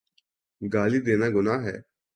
گالی دینا گناہ ہے۔